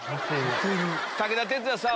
武田鉄矢さん